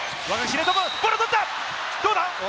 ボールを取った、どうだ？